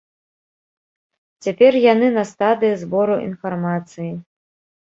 Цяпер яны на стадыі збору інфармацыі.